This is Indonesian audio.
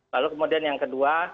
lalu kemudian yang kedua